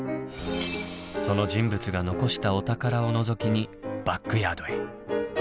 その人物が残したお宝をのぞきにバックヤードへ。